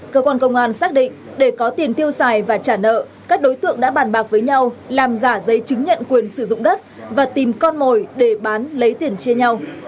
cơ quan công an xác định để có tiền tiêu xài và trả nợ các đối tượng đã bàn bạc với nhau làm giả giấy chứng nhận quyền sử dụng đất và tìm con mồi để bán lấy tiền chia nhau